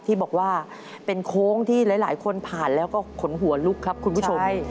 ที่บอกว่าเป็นโค้งที่หลายคนผ่านแล้วก็ขนหัวลุกครับคุณผู้ชม